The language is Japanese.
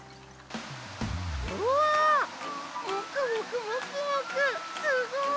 うわもくもくもくもくすごい！